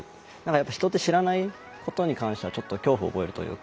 人って知らないことに関してはちょっと恐怖を覚えるというか。